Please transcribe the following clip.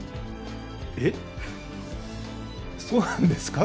えっ、そうなんですか？